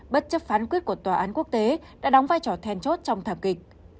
bất chấp phán quyết của tòa án quốc tế đã đóng vai trò then chốt trong thảm kịch